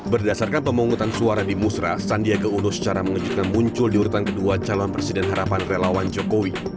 berdasarkan pemungutan suara di musra sandiaga uno secara mengejutkan muncul di urutan kedua calon presiden harapan relawan jokowi